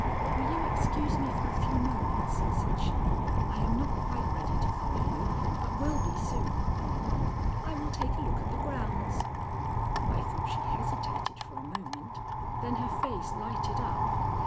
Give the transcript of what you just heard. "Will you excuse me for a few moments?" said she. "I am not quite ready to follow you, but will be soon." "I will take a look at the grounds." I thought she hesitated for a moment; then her face lighted up.